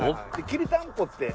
きりたんぽって。